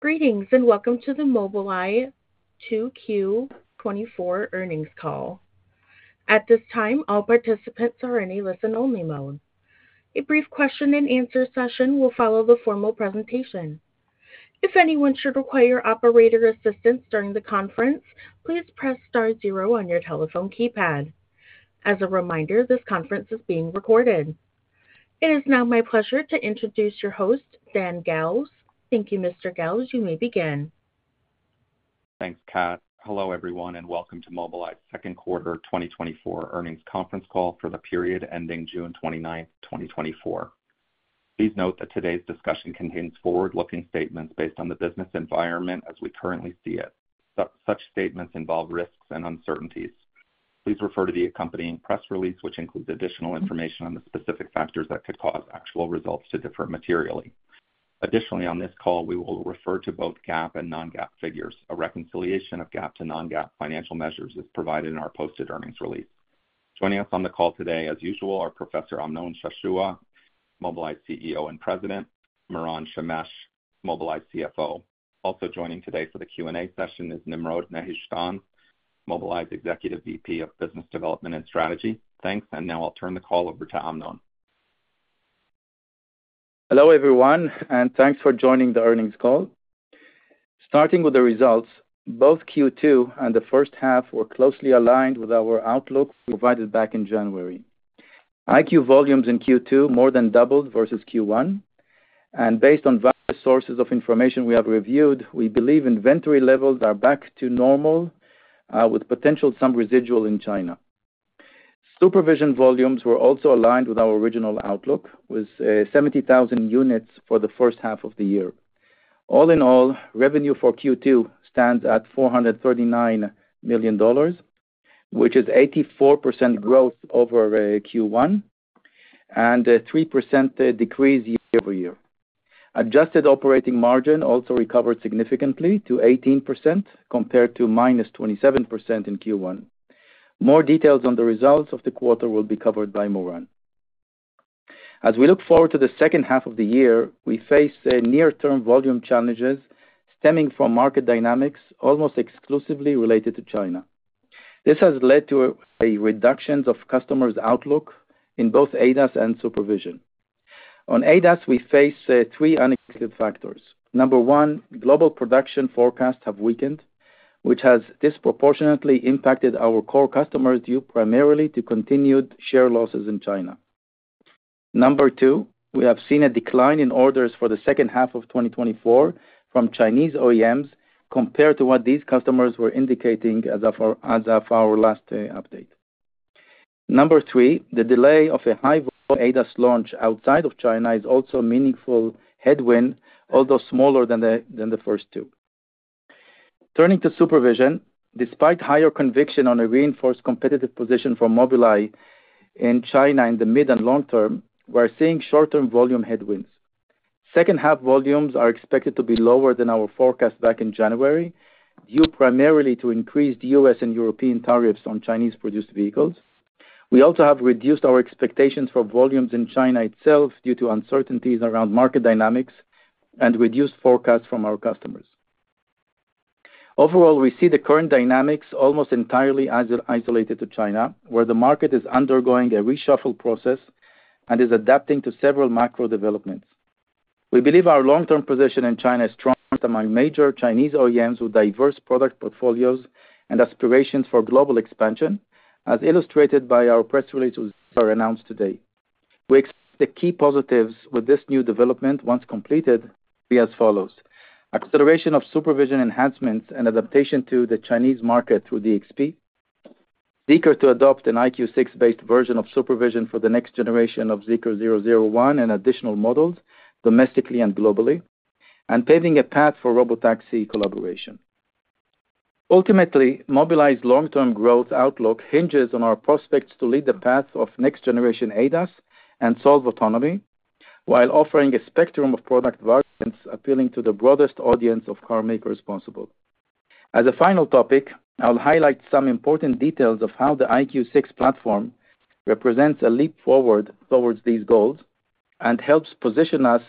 Greetings, and Welcome to the Mobileye 2Q 2024 Earnings Call. At this time, all participants are in a listen-only mode. A brief question and answer session will follow the formal presentation. If anyone should require operator assistance during the conference, please press star zero on your telephone keypad. As a reminder, this conference is being recorded. It is now my pleasure to introduce your host, Dan Galves. Thank you, Mr. Galves. You may begin. Thanks, Kat. Hello, everyone, and welcome to Mobileye's second quarter 2024 earnings conference call for the period ending June 29th, 2024. Please note that today's discussion contains forward-looking statements based on the business environment as we currently see it. Such statements involve risks and uncertainties. Please refer to the accompanying press release, which includes additional information on the specific factors that could cause actual results to differ materially. Additionally, on this call, we will refer to both GAAP and non-GAAP figures. A reconciliation of GAAP to non-GAAP financial measures is provided in our posted earnings release. Joining us on the call today, as usual, are Professor Amnon Shashua, Mobileye CEO and President, Moran Shemesh, Mobileye CFO. Also joining today for the Q&A session is Nimrod Nehushtan, Mobileye's Executive VP of Business Development and Strategy. Thanks, and now I'll turn the call over to Amnon. Hello, everyone, and thanks for joining the earnings call. Starting with the results, both Q2 and the first half were closely aligned with our outlook provided back in January. EyeQ volumes in Q2 more than doubled versus Q1, and based on various sources of information we have reviewed, we believe inventory levels are back to normal, with potential some residual in China. SuperVision volumes were also aligned with our original outlook, with 70,000 units for the first half of the year. All in all, revenue for Q2 stands at $439 million, which is 84% growth over Q1 and a 3% decrease year-over-year. Adjusted operating margin also recovered significantly to 18%, compared to -27% in Q1. More details on the results of the quarter will be covered by Moran. As we look forward to the second half of the year, we face a near-term volume challenges stemming from market dynamics almost exclusively related to China. This has led to a reductions of customers' outlook in both ADAS and SuperVision. On ADAS, we face three unexpected factors. Number one, global production forecasts have weakened, which has disproportionately impacted our core customers, due primarily to continued share losses in China. Number two, we have seen a decline in orders for the second half of 2024 from Chinese OEMs, compared to what these customers were indicating as of our last update. Number three, the delay of a high-volume ADAS launch outside of China is also a meaningful headwind, although smaller than the first two. Turning to SuperVision, despite higher conviction on a reinforced competitive position for Mobileye in China in the mid and long term, we're seeing short-term volume headwinds. Second-half volumes are expected to be lower than our forecast back in January, due primarily to increased U.S., and European tariffs on Chinese-produced vehicles. We also have reduced our expectations for volumes in China itself due to uncertainties around market dynamics and reduced forecasts from our customers. Overall, we see the current dynamics almost entirely as isolated to China, where the market is undergoing a reshuffle process and is adapting to several macro developments. We believe our long-term position in China is strong among major Chinese OEMs with diverse product portfolios and aspirations for global expansion, as illustrated by our press release, which was announced today. We expect the key positives with this new development, once completed, to be as follows: Acceleration of SuperVision enhancements and adaptation to the Chinese market through DXP. Zeekr to adopt an EyeQ6-based version of SuperVision for the next generation of Zeekr 001 and additional models, domestically and globally, and paving a path for Robotaxi collaboration. Ultimately, Mobileye's long-term growth outlook hinges on our prospects to lead the path of next-generation ADAS and solve autonomy, while offering a spectrum of product variants appealing to the broadest audience of car makers possible. As a final topic, I'll highlight some important details of how the EyeQ6 platform represents a leap forward towards these goals and helps position us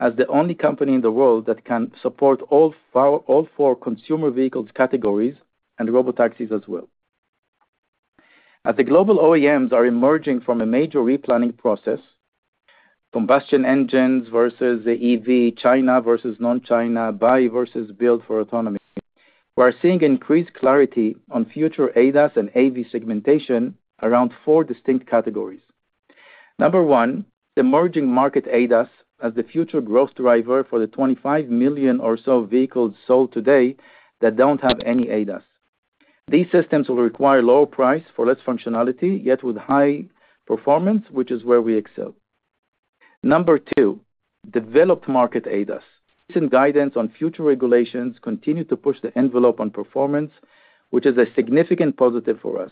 as the only company in the world that can support all four, all four consumer vehicles categories and robotaxis as well. As the global OEMs are emerging from a major replanning process, combustion engines versus the EV, China versus non-China, buy versus build for autonomy, we're seeing increased clarity on future ADAS and AV segmentation around four distinct categories. Number one, the emerging market ADAS as the future growth driver for the 25 million or so vehicles sold today that don't have any ADAS. These systems will require lower price for less functionality, yet with high performance, which is where we excel. Number two, developed market ADAS. Recent guidance on future regulations continue to push the envelope on performance, which is a significant positive for us.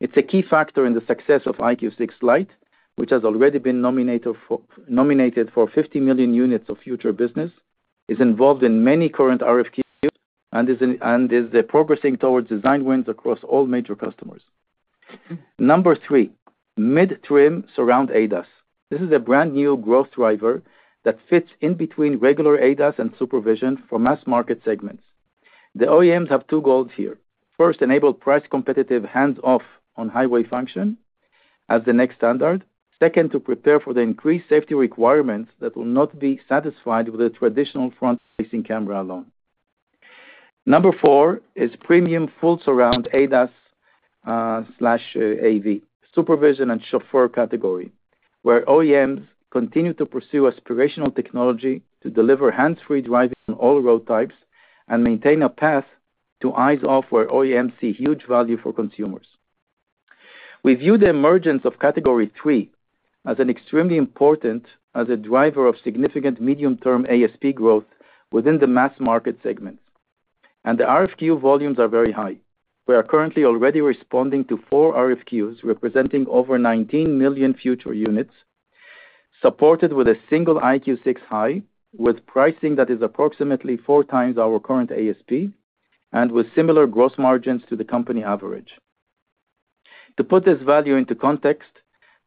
It's a key factor in the success of EyeQ6 Lite, which has already been nominated for 50 million units of future business, is involved in many current RFQ, and is progressing towards design wins across all major customers. Number three, mid-trim Surround ADAS. This is a brand-new growth driver that fits in between regular ADAS and SuperVision for mass market segments. The OEMs have two goals here. First, enable price competitive hands-off on highway function as the next standard. Second, to prepare for the increased safety requirements that will not be satisfied with a traditional front-facing camera alone. Number four is premium full Surround ADAS, slash AV, SuperVision, and Chauffeur category, where OEMs continue to pursue aspirational technology to deliver hands-free driving on all road types and maintain a path to eyes off, where OEMs see huge value for consumers. We view the emergence of category three as an extremely important driver of significant medium-term ASP growth within the mass market segments, and the RFQ volumes are very high. We are currently already responding to four RFQs, representing over 19 million future units, supported with a single EyeQ6 High, with pricing that is approximately four times our current ASP and with similar gross margins to the company average. To put this value into context,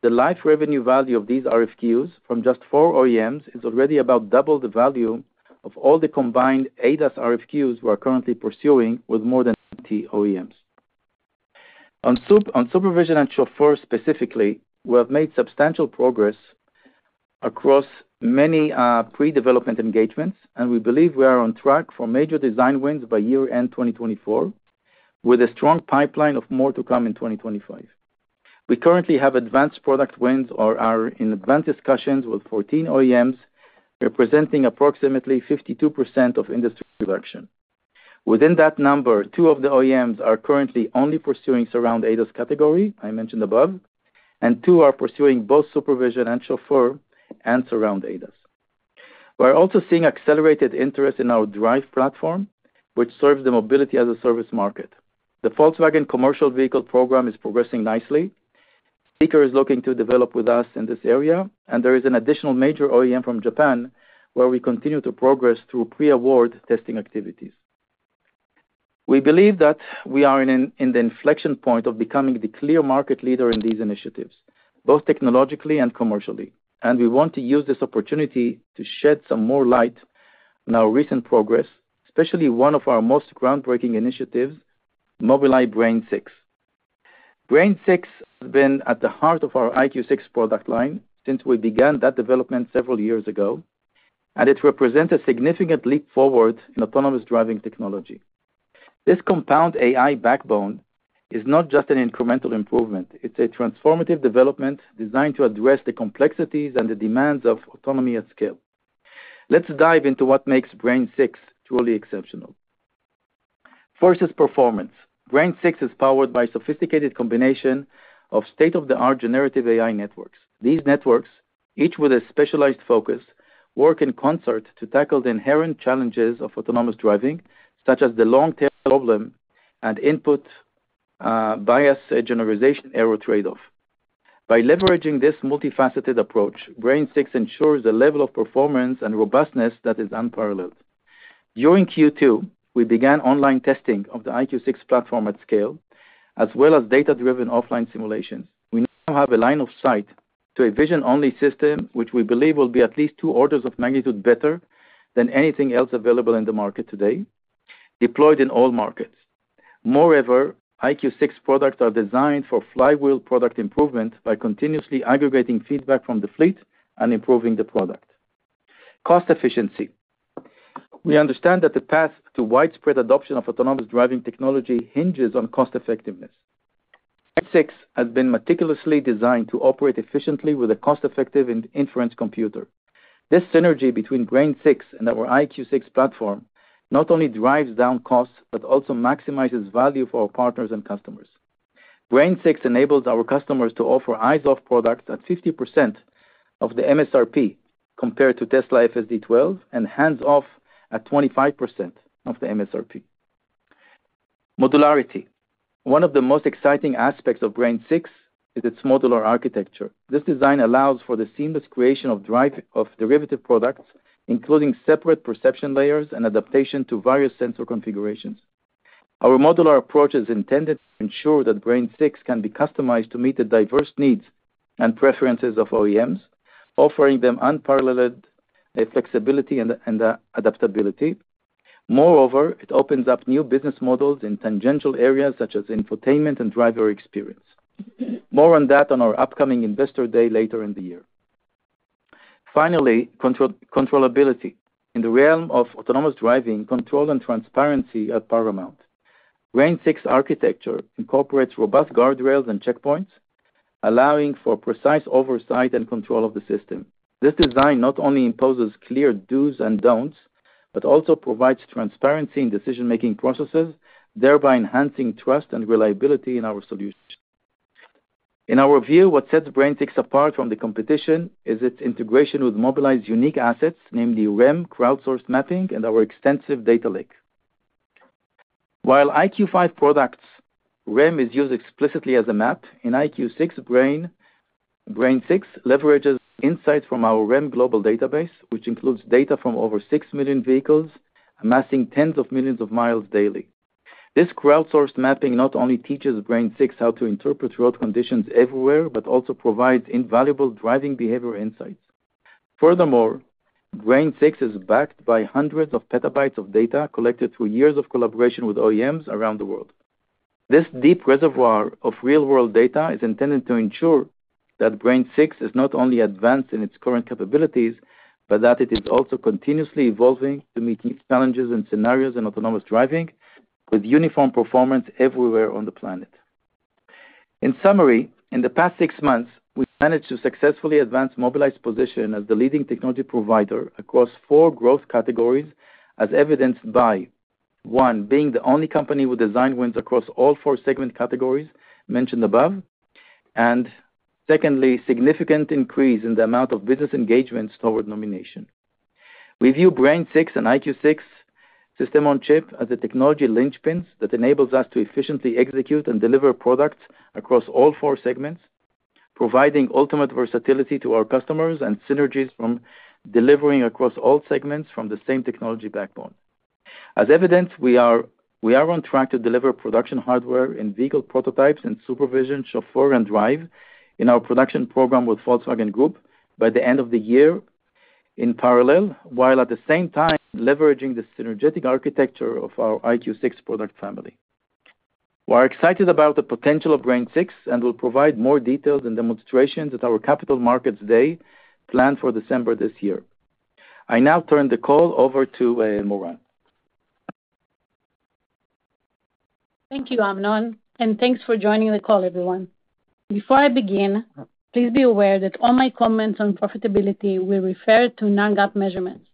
the life revenue value of these RFQs from just four OEMs is already about double the value of all the combined ADAS RFQs we are currently pursuing with more than 50 OEMs. On SuperVision and Chauffeur specifically, we have made substantial progress across many pre-development engagements, and we believe we are on track for major design wins by year-end, 2024, with a strong pipeline of more to come in 2025. We currently have advanced product wins or are in advanced discussions with 14 OEMs, representing approximately 52% of industry production. Within that number, two of the OEMs are currently only pursuing Surround ADAS category, I mentioned above, and two are pursuing both SuperVision and Chauffeur and Surround ADAS. We are also seeing accelerated interest in our Drive platform, which serves the mobility as a service market. The Volkswagen commercial vehicle program is progressing nicely. The other is looking to develop with us in this area, and there is an additional major OEM from Japan, where we continue to progress through pre-award testing activities. We believe that we are in the inflection point of becoming the clear market leader in these initiatives, both technologically and commercially. We want to use this opportunity to shed some more light on our recent progress, especially one of our most groundbreaking initiatives, Mobileye Brain6. Brain6 has been at the heart of our EyeQ6 product line since we began that development several years ago, and it represents a significant leap forward in autonomous driving technology. This compound AI backbone is not just an incremental improvement, it's a transformative development designed to address the complexities and the demands of autonomy at scale. Let's dive into what makes Brain6 truly exceptional. First, its performance. Brain6 is powered by sophisticated combination of state-of-the-art generative AI networks. These networks, each with a specialized focus, work in concert to tackle the inherent challenges of autonomous driving, such as the long-tail problem and input, bias, generalization, error trade-off. By leveraging this multifaceted approach, Brain6 ensures a level of performance and robustness that is unparalleled. During Q2, we began online testing of the EyeQ6 platform at scale, as well as data-driven offline simulations. We now have a line of sight to a vision-only system, which we believe will be at least two orders of magnitude better than anything else available in the market today, deployed in all markets. Moreover, EyeQ6 products are designed for flywheel product improvement by continuously aggregating feedback from the fleet and improving the product. Cost efficiency. We understand that the path to widespread adoption of autonomous driving technology hinges on cost effectiveness. Brain6 has been meticulously designed to operate efficiently with a cost-effective and inference computer. This synergy between Brain6 and our EyeQ6 platform not only drives down costs, but also maximizes value for our partners and customers. Brain6 enables our customers to offer eyes-off products at 50% of the MSRP compared to Tesla FSD12, and hands-off at 25% of the MSRP. Modularity. One of the most exciting aspects of Brain6 is its modular architecture. This design allows for the seamless creation of derivative products, including separate perception layers and adaptation to various sensor configurations. Our modular approach is intended to ensure that Brain6 can be customized to meet the diverse needs and preferences of OEMs, offering them unparalleled flexibility and adaptability. Moreover, it opens up new business models in tangential areas such as infotainment and driver experience. More on that on our upcoming Investor Day later in the year. Finally, control, controllability. In the realm of autonomous driving, control and transparency are paramount. Brain6 architecture incorporates robust guardrails and checkpoints, allowing for precise oversight and control of the system. This design not only imposes clear do's and don'ts, but also provides transparency in decision-making processes, thereby enhancing trust and reliability in our solution. In our view, what sets Brain6 apart from the competition is its integration with Mobileye's unique assets, namely REM, crowdsourced mapping, and our extensive data lake. While EyeQ5 products, REM is used explicitly as a map, in EyeQ6, Brain6 leverages insights from our REM global database, which includes data from over six million vehicles, amassing tens of millions of miles daily. This crowdsourced mapping not only teaches Brain6 how to interpret road conditions everywhere, but also provides invaluable driving behavior insights. Furthermore, Brain6 is backed by hundreds of petabytes of data collected through years of collaboration with OEMs around the world. This deep reservoir of real-world data is intended to ensure that Brain6 is not only advanced in its current capabilities, but that it is also continuously evolving to meet new challenges and scenarios in autonomous driving, with uniform performance everywhere on the planet. In summary, in the past six months, we've managed to successfully advance Mobileye's position as the leading technology provider across four growth categories, as evidenced by, one, being the only company with design wins across all four segment categories mentioned above, and secondly, significant increase in the amount of business engagements toward nomination. We view Brain6 and EyeQ6 system on chip as the technology linchpins that enables us to efficiently execute and deliver products across all four segments, providing ultimate versatility to our customers and synergies from delivering across all segments from the same technology backbone. As evidenced, we are on track to deliver production hardware and vehicle prototypes and SuperVision, Chauffeur and Drive in our production program with Volkswagen Group by the end of the year. In parallel, while at the same time leveraging the synergetic architecture of our EyeQ6 product family. We are excited about the potential of Brain6, and we'll provide more details and demonstrations at our Capital Markets Day, planned for December this year. I now turn the call over to Moran. Thank you, Amnon, and thanks for joining the call, everyone. Before I begin, please be aware that all my comments on profitability will refer to non-GAAP measurements.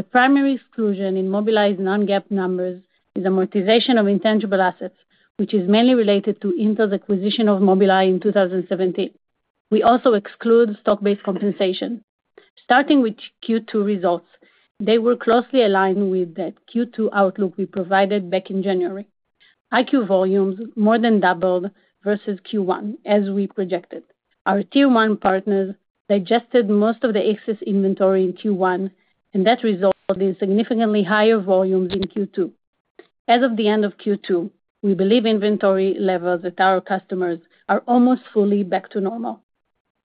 The primary exclusion in Mobileye non-GAAP numbers is amortization of intangible assets, which is mainly related to Intel's acquisition of Mobileye in 2017. We also exclude stock-based compensation. Starting with Q2 results, they were closely aligned with the Q2 outlook we provided back in January. EyeQ volumes more than doubled versus Q1, as we projected. Our Tier one partners digested most of the excess inventory in Q1, and that resulted in significantly higher volumes in Q2. As of the end of Q2, we believe inventory levels at our customers are almost fully back to normal,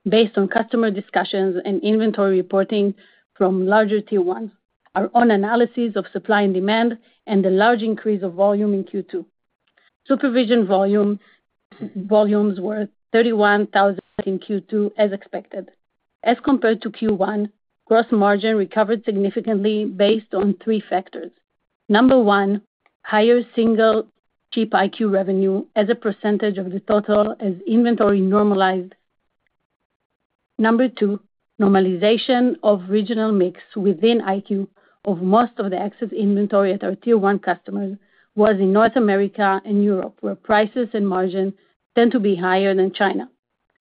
based on customer discussions and inventory reporting from larger Tier one, our own analysis of supply and demand, and the large increase of volume in Q2. SuperVision volumes were 31,000 in Q2, as expected. As compared to Q1, gross margin recovered significantly based on three factors. Number one, higher single chip EyeQ revenue as a percentage of the total as inventory normalized. Number two, normalization of regional mix within EyeQ of most of the excess inventory at our Tier one customers was in North America and Europe, where prices and margins tend to be higher than China.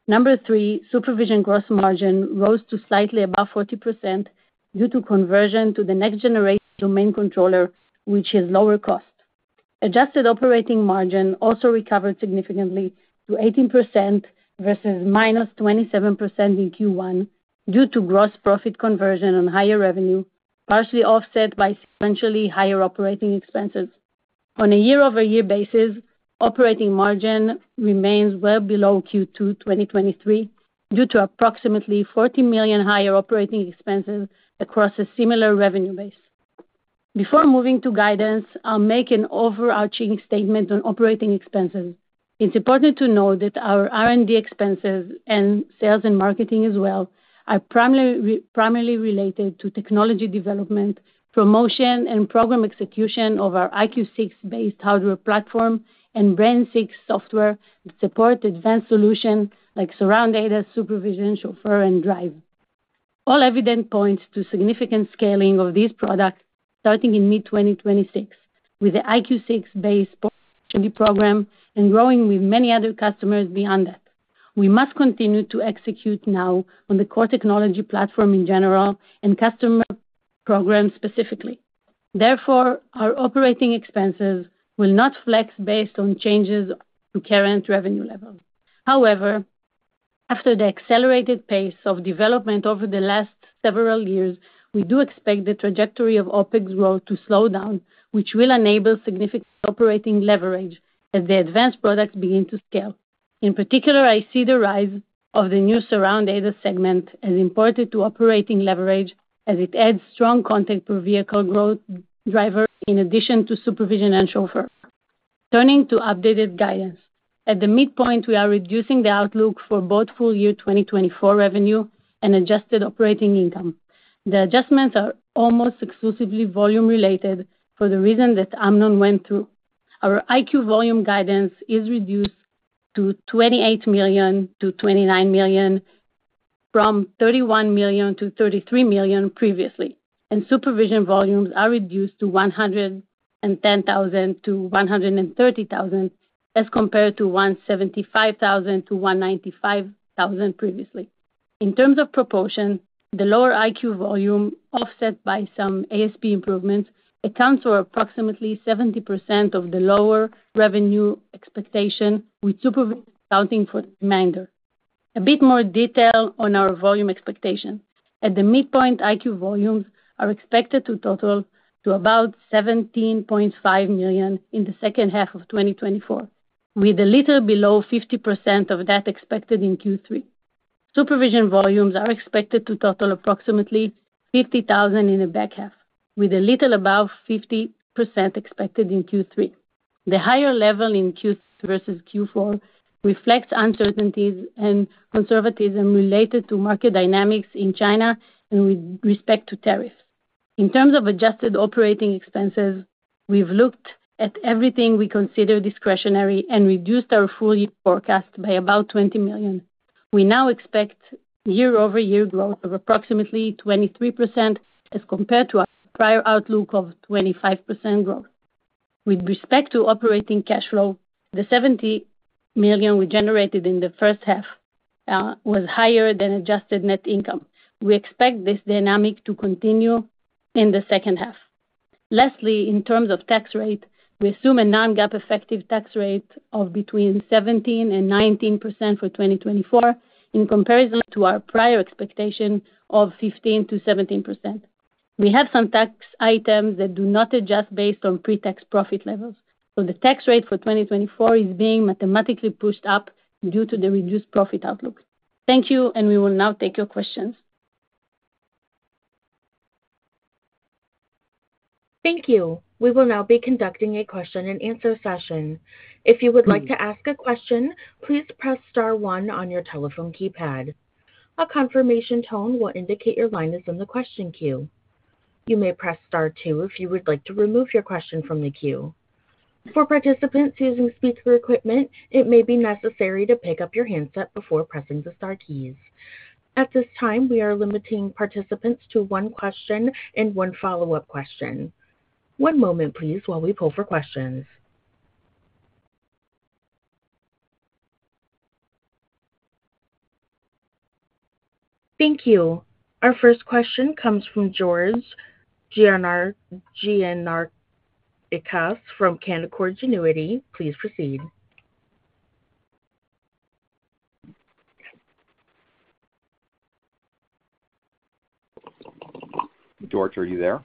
Number three, SuperVision gross margin rose to slightly above 40% due to conversion to the next generation domain controller, which is lower cost. Adjusted operating margin also recovered significantly to 18% versus -27% in Q1, due to gross profit conversion on higher revenue, partially offset by sequentially higher operating expenses. On a year-over-year basis, operating margin remains well below Q2 2023, due to approximately $40 million higher operating expenses across a similar revenue base. Before moving to guidance, I'll make an overarching statement on operating expenses. It's important to note that our R&D expenses and sales and marketing as well are primarily related to technology development, promotion, and program execution of our EyeQ6-based hardware platform and Brain6 software that support advanced solutions like Surround ADAS, SuperVision, Chauffeur, and Drive. All evidence points to significant scaling of these products starting in mid-2026, with the EyeQ6-based program and growing with many other customers beyond that. We must continue to execute now on the core technology platform in general and customer programs specifically. Therefore, our operating expenses will not flex based on changes to current revenue levels. However, after the accelerated pace of development over the last several years, we do expect the trajectory of OpEx growth to slow down, which will enable significant operating leverage as the advanced products begin to scale. In particular, I see the rise of the new Surround ADAS segment as important to operating leverage, as it adds strong content per vehicle growth driver in addition to SuperVision and Chauffeur. Turning to updated guidance. At the midpoint, we are reducing the outlook for both full-year 2024 revenue and adjusted operating income. The adjustments are almost exclusively volume-related for the reason that Amnon went through. Our EyeQ volume guidance is reduced to 28 million-29 million, from 31 million-33 million previously, and SuperVision volumes are reduced to 110,000-130,000, as compared to 175,000-195,000 previously. In terms of proportion, the lower EyeQ volume, offset by some ASP improvements, accounts for approximately 70% of the lower revenue expectation, with SuperVision accounting for demand. A bit more detail on our volume expectation. At the midpoint, EyeQ volumes are expected to total to about 17.5 million in the second half of 2024, with a little below 50% of that expected in Q3. SuperVision volumes are expected to total approximately 50,000 in the back half, with a little above 50% expected in Q3. The higher level in Q3 versus Q4 reflects uncertainties and conservatism related to market dynamics in China and with respect to tariffs. In terms of adjusted operating expenses, we've looked at everything we consider discretionary and reduced our full year forecast by about $20 million. We now expect year-over-year growth of approximately 23%, as compared to our prior outlook of 25% growth. With respect to operating cash flow, the $70 million we generated in the first half was higher than adjusted net income. We expect this dynamic to continue in the second half. Lastly, in terms of tax rate, we assume a non-GAAP effective tax rate of between 17% and 19% for 2024, in comparison to our prior expectation of 15%-17%. We have some tax items that do not adjust based on pre-tax profit levels, so the tax rate for 2024 is being mathematically pushed up due to the reduced profit outlook. Thank you, and we will now take your questions. Thank you. We will now be conducting a question-and-answer session. If you would like to ask a question, please press star one on your telephone keypad. A confirmation tone will indicate your line is in the question queue. You may press star two if you would like to remove your question from the queue. For participants using speaker equipment, it may be necessary to pick up your handset before pressing the star keys. At this time, we are limiting participants to one question and one follow-up question. One moment, please, while we pull for questions. Thank you. Our first question comes from George Gianarikas from Canaccord Genuity. Please proceed. George, are you there?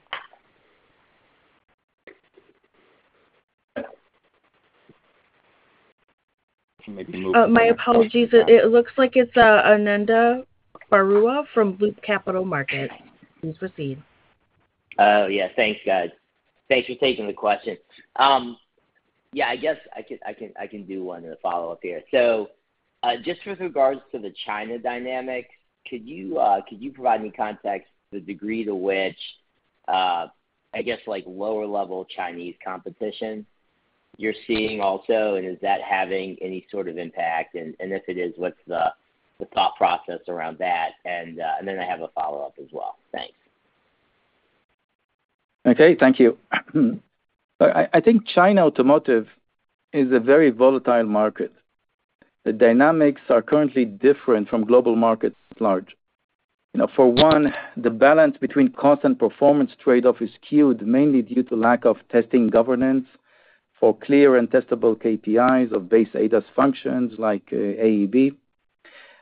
My apologies. It looks like it's Ananda Baruah from Loop Capital Markets. Please proceed. Oh, yeah. Thanks, guys. Thanks for taking the question. Yeah, I guess I can do one in a follow-up here. So, just with regards to the China dynamics, could you provide any context to the degree to which, I guess, like, lower-level Chinese competition you're seeing also, and is that having any sort of impact? And if it is, what's the thought process around that? And then I have a follow-up as well. Thanks. Okay, thank you. I think China automotive is a very volatile market. The dynamics are currently different from global markets at large. You know, for one, the balance between cost and performance trade-off is skewed, mainly due to lack of testing governance for clear and testable KPIs of base ADAS functions like AEB.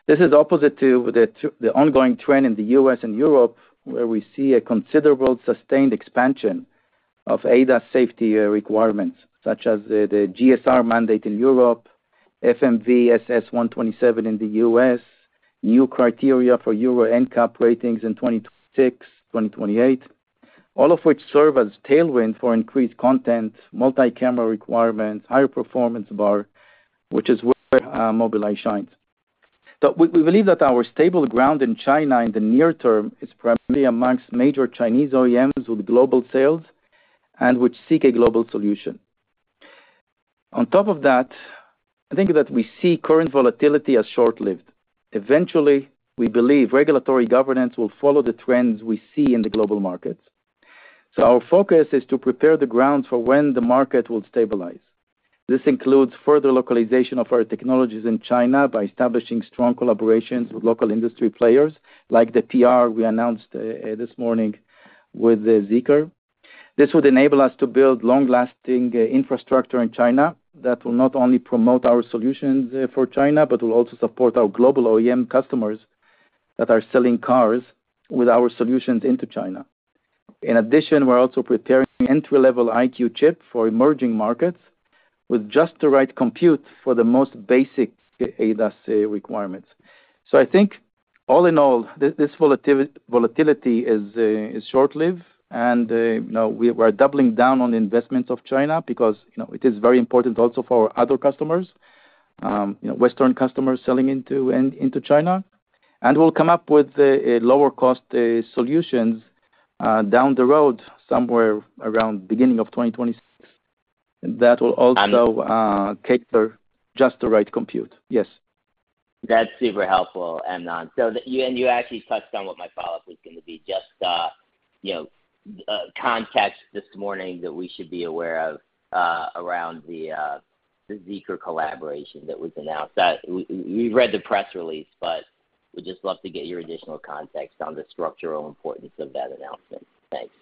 This is opposite to the ongoing trend in the US and Europe, where we see a considerable sustained expansion of ADAS safety requirements, such as the GSR mandate in Europe, FMVSS 127 in the U.S., new criteria for Euro NCAP ratings in 2026, 2028, all of which serve as tailwind for increased content, multi-camera requirements, higher performance bar, which is where Mobileye shines. But we, we believe that our stable ground in China in the near term is primarily amongst major Chinese OEMs with global sales and which seek a global solution. On top of that, I think that we see current volatility as short-lived. Eventually, we believe regulatory governance will follow the trends we see in the global markets. So our focus is to prepare the ground for when the market will stabilize. This includes further localization of our technologies in China by establishing strong collaborations with local industry players, like the PR we announced this morning with Zeekr. This would enable us to build long-lasting infrastructure in China that will not only promote our solutions for China, but will also support our global OEM customers that are selling cars with our solutions into China. In addition, we're also preparing entry-level EyeQ chip for emerging markets with just the right compute for the most basic ADAS requirements. So I think all in all, this volatility is short-lived, and you know, we are doubling down on the investment of China because you know, it is very important also for our other customers, Western customers selling into China. And we'll come up with a lower cost solutions down the road, somewhere around beginning of 2026, and that will also cater just the right compute. Yes. That's super helpful, Amnon. So you and you actually touched on what my follow-up was gonna be, just, you know, context this morning that we should be aware of, around the Zeekr collaboration that was announced? We read the press release, but we'd just love to get your additional context on the structural importance of that announcement. Thanks.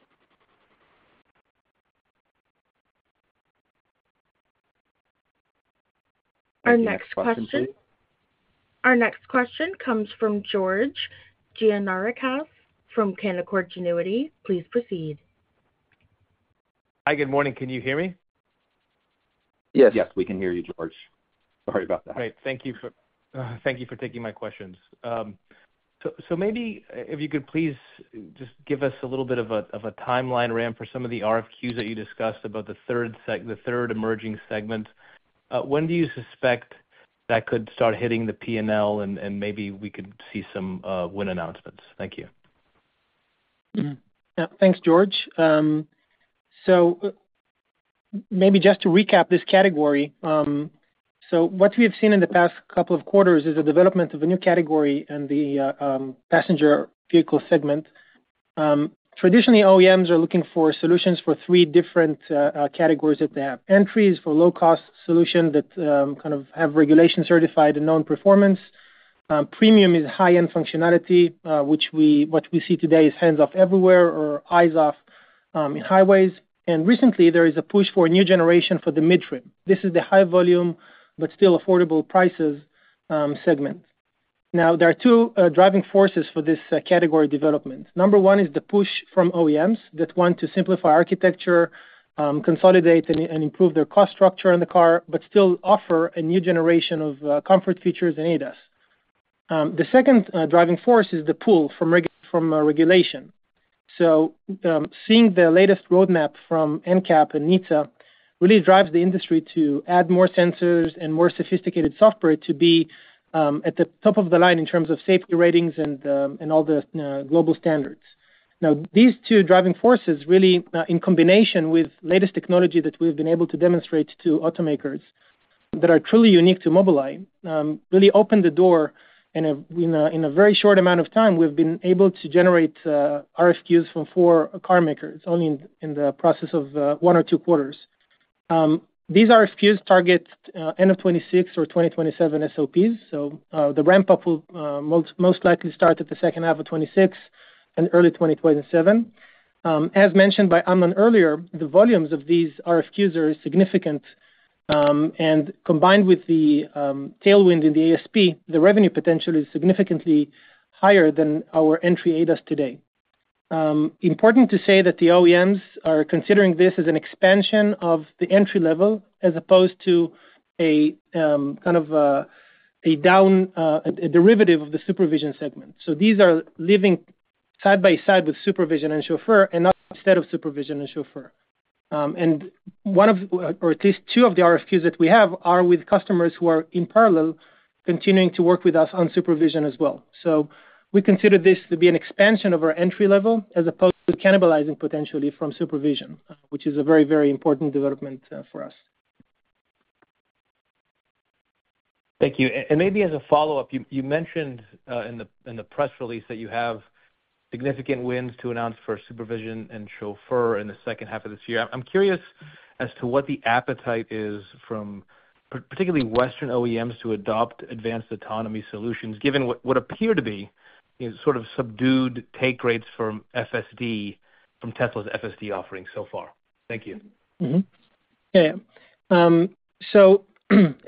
Our next question. Thank you. Next question, please. Our next question comes from George Gianarikas from Canaccord Genuity. Please proceed. Hi, good morning. Can you hear me? Yes. Yes, we can hear you, George. Sorry about that. Great. Thank you for taking my questions. So, maybe if you could please just give us a little bit of a timeline ramp for some of the RFQs that you discussed about the third emerging segment. When do you suspect that could start hitting the PNL, and maybe we could see some win announcements? Thank you. Mm-hmm. Yeah. Thanks, George. So maybe just to recap this category, so what we have seen in the past couple of quarters is the development of a new category in the passenger vehicle segment. Traditionally, OEMs are looking for solutions for three different categories that they have. Entries for low-cost solution that kind of have regulation certified and known performance. Premium is high-end functionality, which what we see today is hands-off everywhere or eyes-off in highways. Recently, there is a push for a new generation for the mid-trim. This is the high volume but still affordable prices segment. Now, there are two driving forces for this category development. 1 is the push from OEMs that want to simplify architecture, consolidate and improve their cost structure in the car, but still offer a new generation of comfort features and ADAS. The second driving force is the pull from regulation. So, seeing the latest roadmap from NCAP and NHTSA really drives the industry to add more sensors and more sophisticated software to be at the top of the line in terms of safety ratings and all the global standards. Now, these two driving forces, really, in combination with latest technology that we've been able to demonstrate to automakers that are truly unique to Mobileye, really opened the door in a very short amount of time, we've been able to generate RFQs from four car makers only in the process of one or two quarters. These RFQs target end of 2026 or 2027 SOPs, so the ramp-up will most likely start at the second half of 2026 and early 2027. As mentioned by Amnon earlier, the volumes of these RFQs are significant, and combined with the tailwind in the ASP, the revenue potential is significantly higher than our entry ADAS today. Important to say that the OEMs are considering this as an expansion of the entry level, as opposed to a kind of a derivative of the SuperVision segment. So these are living side by side with SuperVision and Chauffeur, and not instead of SuperVision and Chauffeur. And one of, or at least two of the RFQs that we have are with customers who are, in parallel, continuing to work with us on SuperVision as well. So we consider this to be an expansion of our entry level, as opposed to cannibalizing potentially from SuperVision, which is a very, very important development for us. Thank you. And maybe as a follow-up, you mentioned in the press release that you have significant wins to announce for SuperVision and Chauffeur in the second half of this year. I'm curious as to what the appetite is from particularly Western OEMs to adopt advanced autonomy solutions, given what appear to be, you know, sort of subdued take rates from FSD, from Tesla's FSD offerings so far. Thank you. Mm-hmm. Yeah. So,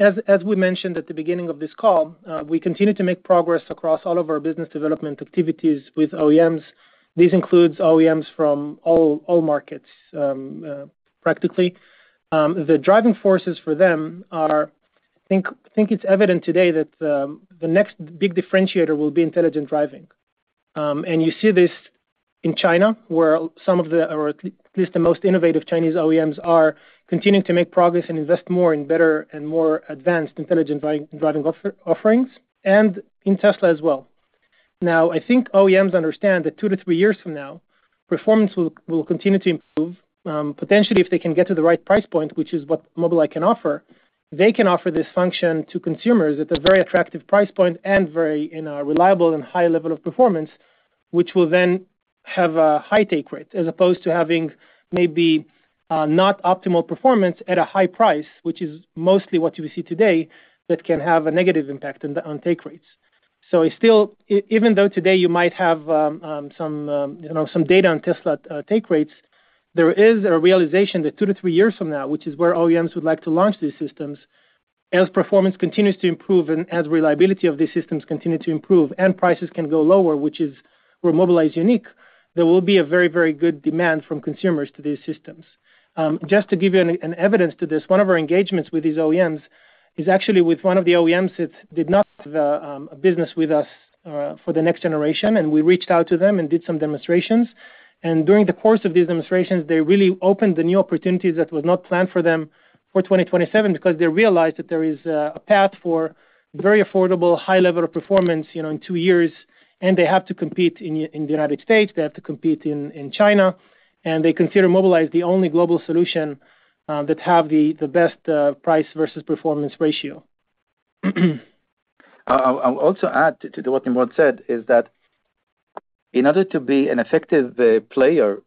as we mentioned at the beginning of this call, we continue to make progress across all of our business development activities with OEMs. This includes OEMs from all markets, practically. The driving forces for them are. I think it's evident today that the next big differentiator will be intelligent driving. And you see this in China, where some of the, or at least the most innovative Chinese OEMs, are continuing to make progress and invest more in better and more advanced intelligent driving offerings, and in Tesla as well. Now, I think OEMs understand that two to three years from now, performance will continue to improve. Potentially, if they can get to the right price point, which is what Mobileye can offer, they can offer this function to consumers at a very attractive price point and very, in a reliable and high level of performance, which will then have a high take rate, as opposed to having maybe, not optimal performance at a high price, which is mostly what you see today, that can have a negative impact on take rates. So it's still even though today you might have, you know, some data on Tesla, take rates, there is a realization that two to three years from now, which is where OEMs would like to launch these systems, as performance continues to improve and as reliability of these systems continue to improve and prices can go lower, which is where Mobileye is unique, there will be a very, very good demand from consumers to these systems. Just to give you an evidence to this, one of our engagements with these OEMs is actually with one of the OEMs that did not a business with us for the next generation, and we reached out to them and did some demonstrations. During the course of these demonstrations, they really opened the new opportunities that was not planned for them for 2027 because they realized that there is a path for very affordable, high level of performance, you know, in two years, and they have to compete in the United States, they have to compete in China, and they consider Mobileye as the only global solution that have the best price versus performance ratio. I'll also add to what Nimrod said, is that in order to be an effective player,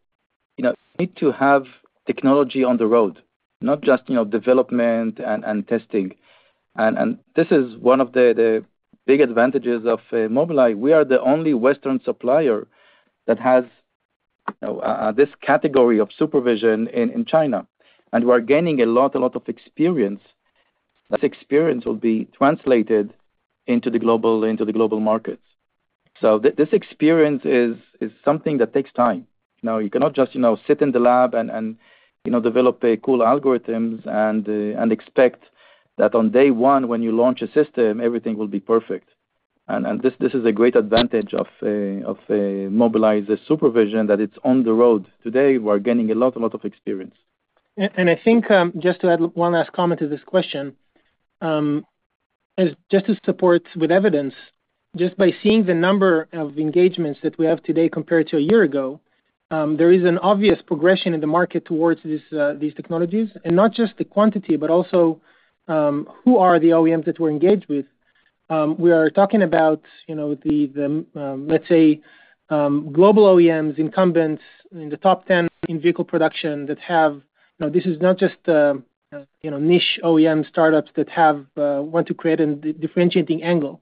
you know, you need to have technology on the road, not just, you know, development and testing. And this is one of the big advantages of Mobileye. We are the only Western supplier that has this category of SuperVision in China, and we're gaining a lot of experience. This experience will be translated into the global markets. So this experience is something that takes time. Now, you cannot just, you know, sit in the lab and develop cool algorithms and expect that on day one, when you launch a system, everything will be perfect. This is a great advantage of Mobileye SuperVision, that it's on the road. Today, we're gaining a lot of experience. I think just to add one last comment to this question. As just to support with evidence, just by seeing the number of engagements that we have today compared to a year ago, there is an obvious progression in the market towards these technologies. And not just the quantity, but also who are the OEMs that we're engaged with. We are talking about, you know, the global OEMs, incumbents in the top 10 in vehicle production that have. Now, this is not just, you know, niche OEM startups that want to create a differentiating angle.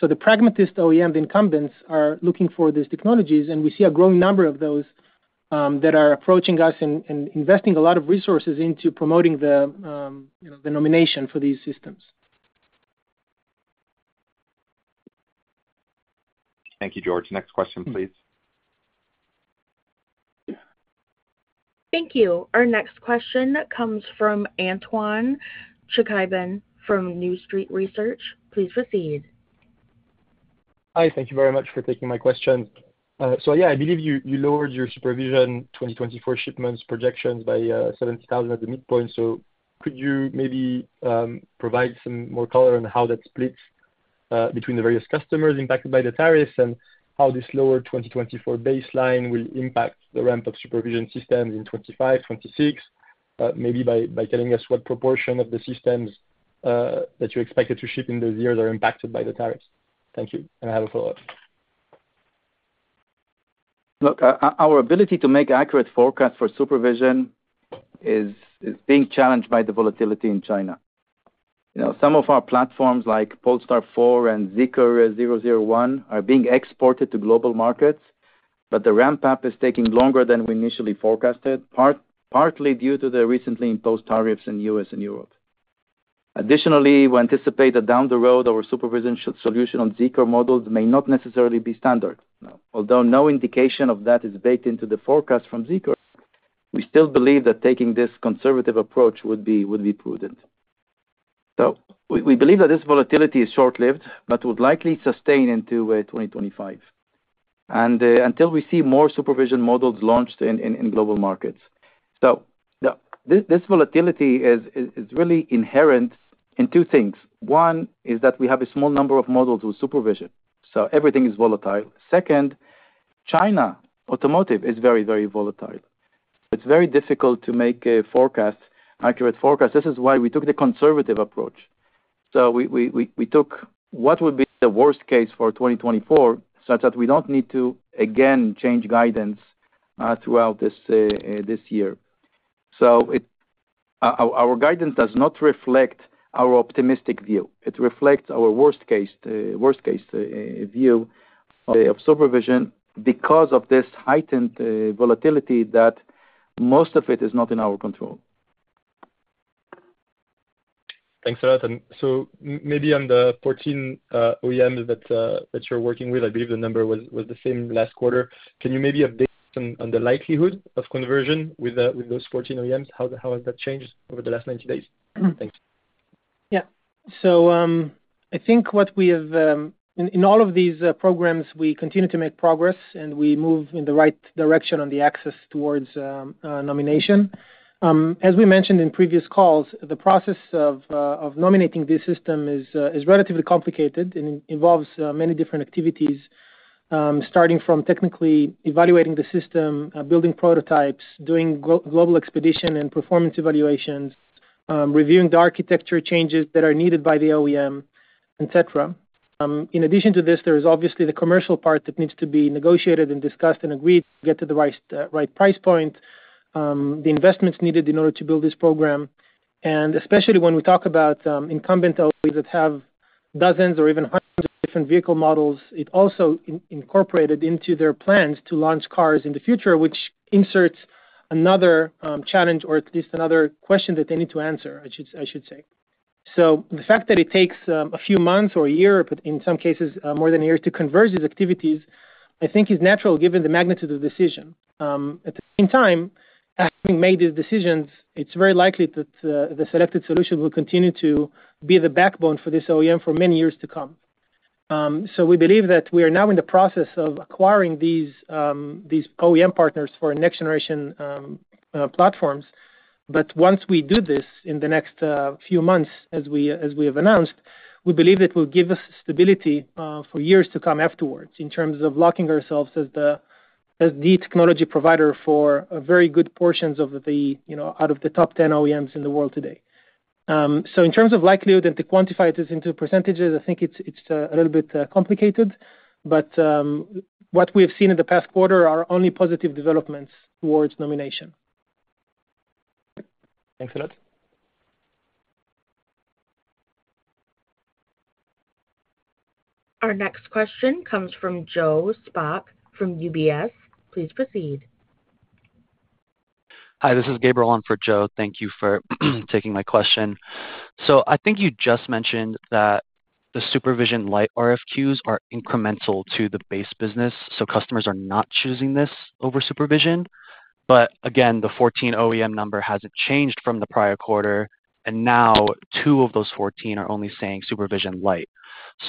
So the pragmatist OEM incumbents are looking for these technologies, and we see a growing number of those that are approaching us and investing a lot of resources into promoting the, you know, the nomination for these systems. Thank you, George. Next question, please. Thank you. Our next question comes from Antoine Chkaiban from New Street Research. Please proceed. Hi, thank you very much for taking my question. So yeah, I believe you lowered your SuperVision 2024 shipments projections by 70,000 at the midpoint. So could you maybe provide some more color on how that splits between the various customers impacted by the tariffs? And how this lower 2024 baseline will impact the ramp of SuperVision systems in 2025, 2026, maybe by telling us what proportion of the systems that you expected to ship in those years are impacted by the tariffs? Thank you, and I have a follow-up. Look, our ability to make accurate forecast for SuperVision is being challenged by the volatility in China. You know, some of our platforms, like Polestar 4 and Zeekr 001, are being exported to global markets, but the ramp-up is taking longer than we initially forecasted, partly due to the recently imposed tariffs in U.S. and Europe. Additionally, we anticipate that down the road, our SuperVision solution on Zeekr models may not necessarily be standard. Although no indication of that is baked into the forecast from Zeekr, we still believe that taking this conservative approach would be prudent. So we believe that this volatility is short-lived, but would likely sustain into 2025, and until we see more SuperVision models launched in global markets. So this volatility is really inherent in two things. One is that we have a small number of models with SuperVision, so everything is volatile. Second, China automotive is very, very volatile. It's very difficult to make a forecast, accurate forecast. This is why we took the conservative approach. So we took what would be the worst case for 2024, such that we don't need to again change guidance throughout this year. So our guidance does not reflect our optimistic view. It reflects our worst case view of SuperVision because of this heightened volatility that most of it is not in our control. Thanks a lot. So maybe on the 14 OEM that you're working with, I believe the number was the same last quarter. Can you maybe update us on the likelihood of conversion with those 14 OEMs? How has that changed over the last 90 days? Thanks. Yeah. So, I think what we have, in all of these programs, we continue to make progress, and we move in the right direction on the axis towards nomination. As we mentioned in previous calls, the process of nominating this system is relatively complicated and involves many different activities. Starting from technically evaluating the system, building prototypes, doing global expedition and performance evaluations, reviewing the architecture changes that are needed by the OEM, etc. In addition to this, there is obviously the commercial part that needs to be negotiated and discussed and agreed to get to the right price point, the investments needed in order to build this program. Especially when we talk about incumbent OEMs that have dozens or even hundreds of different vehicle models, it also incorporated into their plans to launch cars in the future, which inserts another challenge, or at least another question that they need to answer, I should say. The fact that it takes a few months or a year, but in some cases more than a year to converge these activities, I think is natural, given the magnitude of decision. At the same time, after we made these decisions, it's very likely that the selected solution will continue to be the backbone for this OEM for many years to come. So we believe that we are now in the process of acquiring these OEM partners for our next-generation platforms. But once we do this in the next few months, as we have announced, we believe it will give us stability for years to come afterwards in terms of locking ourselves as the. As the technology provider for a very good portions of the, you know, out of the top ten OEMs in the world today. So in terms of likelihood and to quantify this into percentages, I think it's a little bit complicated, but what we have seen in the past quarter are only positive developments towards nomination. Thanks a lot. Our next question comes from Joe Spak from UBS. Please proceed. Hi, this is Gabriel on for Joe. Thank you for taking my question. So I think you just mentioned that the SuperVision Lite RFQs are incremental to the base business, so customers are not choosing this over SuperVision. But again, the 14 OEM number hasn't changed from the prior quarter, and now two of those 14 are only saying SuperVision Lite.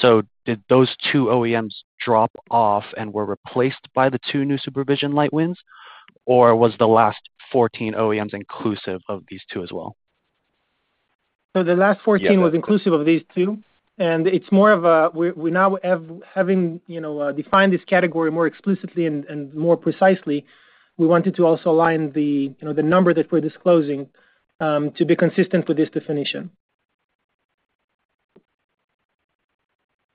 So did those two OEMs drop off and were replaced by the two new SuperVision Lite wins? Or was the last 14 OEMs inclusive of these two as well? So the last 14 was inclusive of these two, and it's more of a we now having, you know, defined this category more explicitly and more precisely, we wanted to also align the, you know, the number that we're disclosing to be consistent with this definition.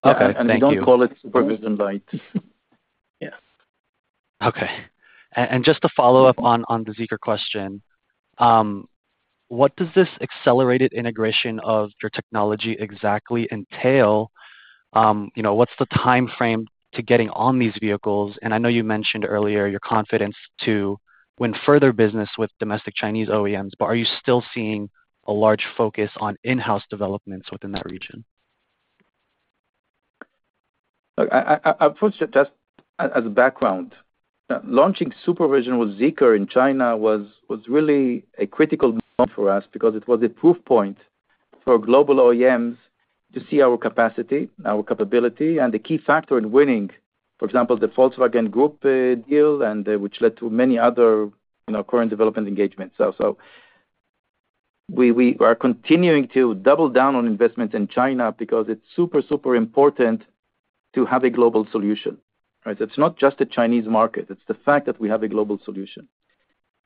Okay, thank you. We don't call it SuperVision Lite. Yes. Okay. Just to follow up on the Zeekr question, what does this accelerated integration of your technology exactly entail? You know, what's the timeframe to getting on these vehicles? And I know you mentioned earlier your confidence to win further business with domestic Chinese OEMs, but are you still seeing a large focus on in-house developments within that region? Look, I first, just as a background, launching SuperVision with Zeekr in China was really a critical moment for us because it was a proof point for global OEMs to see our capacity, our capability, and the key factor in winning, for example, the Volkswagen Group deal, and which led to many other, you know, current development engagements. So we are continuing to double down on investments in China because it's super, super important to have a global solution, right? It's not just the Chinese market, it's the fact that we have a global solution.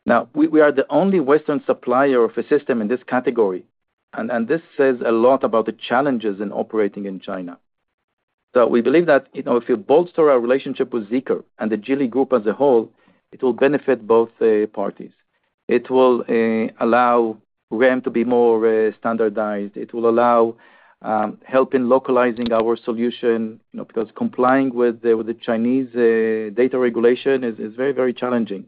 Now, we are the only Western supplier of a system in this category, and this says a lot about the challenges in operating in China. So we believe that, you know, if we bolster our relationship with Zeekr and the Geely Group as a whole, it will benefit both parties. It will allow REM to be more standardized. It will allow help in localizing our solution, you know, because complying with the Chinese data regulation is very, very challenging.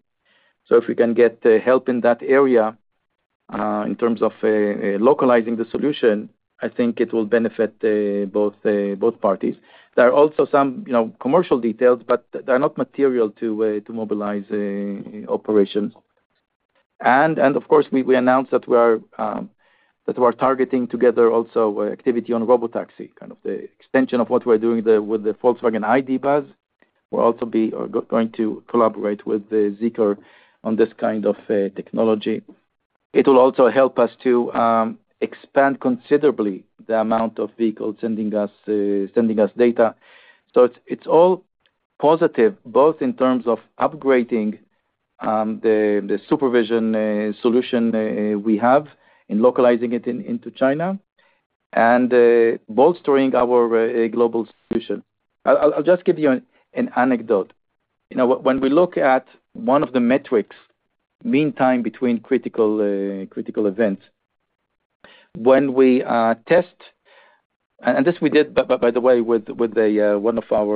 So if we can get help in that area in terms of localizing the solution, I think it will benefit both parties. There are also some, you know, commercial details, but they're not material to Mobileye operations. And of course, we announced that we are targeting together also activity on robotaxi, kind of the extension of what we're doing with the Volkswagen ID. Buzz. We're also going to collaborate with the Zeekr on this kind of technology. It will also help us to expand considerably the amount of vehicles sending us data. So it's all positive, both in terms of upgrading the SuperVision solution we have in localizing it into China and bolstering our global solution. I'll just give you an anecdote. You know, when we look at one of the metrics, mean time between critical events. When we test. And this we did by the way with one of our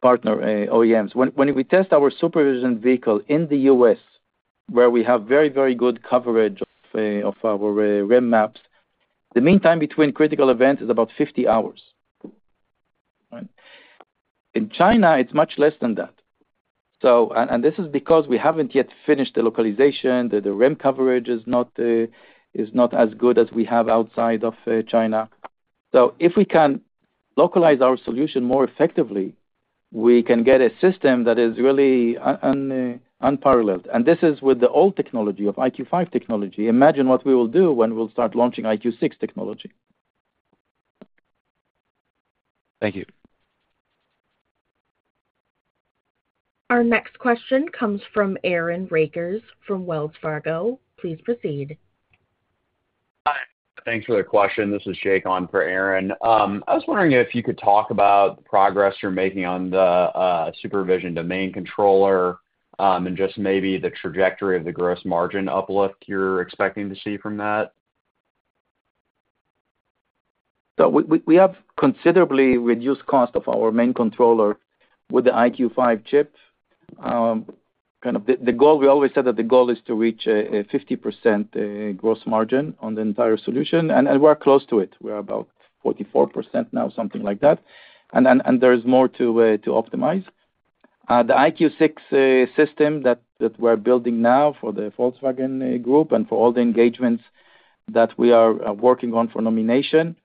partner OEMs. When we test our SuperVision vehicle in the U.S., where we have very, very good coverage of our REM maps, the mean time between critical events is about 50 hours. Right? In China, it's much less than that. This is because we haven't yet finished the localization, the REM coverage is not as good as we have outside of China. So if we can localize our solution more effectively, we can get a system that is really unparalleled. And this is with the old technology of EyeQ®5 technology. Imagine what we will do when we'll start launching EyeQ6 technology. Thank you. Our next question comes from Aaron Rakers from Wells Fargo. Please proceed. Hi, thanks for the question. This is Jake on for Aaron. I was wondering if you could talk about the progress you're making on the, SuperVision domain controller, and just maybe the trajectory of the gross margin uplift you're expecting to see from that. So we have considerably reduced cost of our main controller with the EyeQ®5 chip. Kind of the goal we always said that the goal is to reach a 50% gross margin on the entire solution, and we're close to it. We're about 44% now, something like that. And then there is more to optimize. The EyeQ6 system that we're building now for the Volkswagen Group and for all the engagements that we are working on for nomination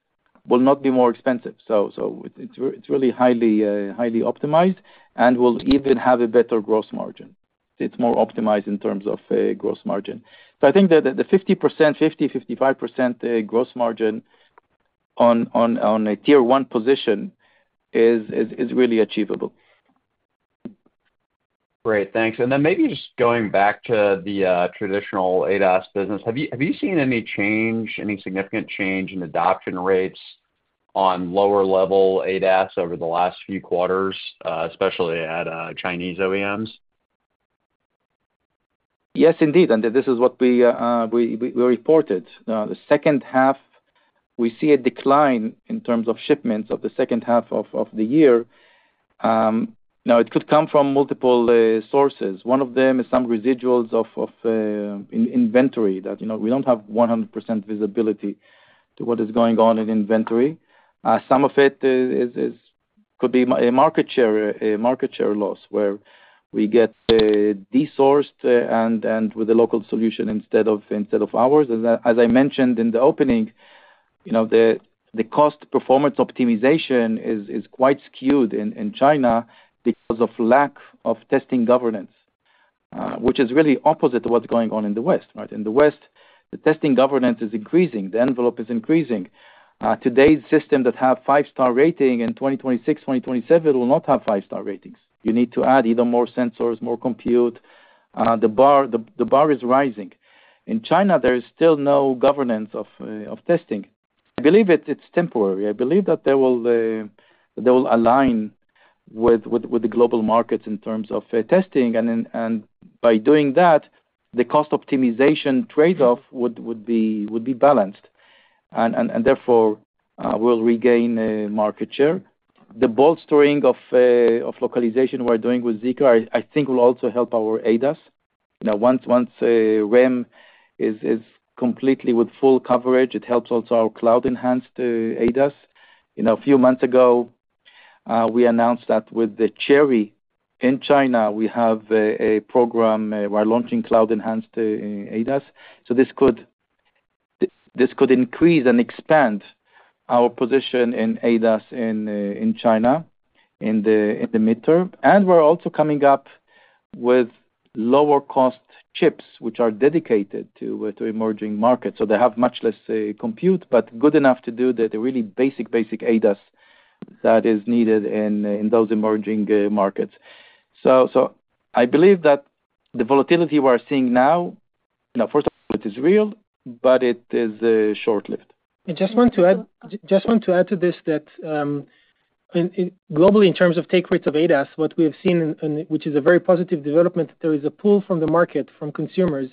will not be more expensive. So it's really highly highly optimized and will even have a better gross margin. It's more optimized in terms of gross margin. So I think that the 50%, 50, 55% gross margin. on a Tier one position is really achievable. Great, thanks. And then maybe just going back to the traditional ADAS business, have you, have you seen any change, any significant change in adoption rates on lower level ADAS over the last few quarters, especially at Chinese OEMs? Yes, indeed, and this is what we reported. The second half, we see a decline in terms of shipments of the second half of the year. Now, it could come from multiple sources. One of them is some residuals of inventory that, you know, we don't have 100% visibility to what is going on in inventory. Some of it could be a market share loss, where we get desourced and with a local solution instead of ours. As I mentioned in the opening, you know, the cost performance optimization is quite skewed in China because of lack of testing governance, which is really opposite to what's going on in the West, right? In the West, the testing governance is increasing, the envelope is increasing. Today's system that have five-star rating in 2026, 2027 will not have five-star ratings. You need to add either more sensors, more compute, the bar is rising. In China, there is still no governance of testing. I believe it's temporary. I believe that they will align with the global markets in terms of testing, and then, by doing that, the cost optimization trade-off would be balanced, and therefore will regain market share. The bolstering of localization we're doing with Zeekr, I think will also help our ADAS. You know, once REM is completely with full coverage, it helps also our Cloud-Enhanced ADAS. You know, a few months ago, we announced that with the Chery in China, we have a program we're launching Cloud-Enhanced ADAS. So this could increase and expand our position in ADAS in China in the midterm. And we're also coming up with lower-cost chips, which are dedicated to emerging markets. So they have much less compute, but good enough to do the really basic ADAS that is needed in those emerging markets. So I believe that the volatility we're seeing now, you know, first of all, it is real, but it is short-lived. I just want to add, just want to add to this, that globally, in terms of take rates of ADAS, what we have seen, and which is a very positive development, there is a pull from the market, from consumers,